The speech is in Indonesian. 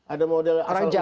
ada model asal usulnya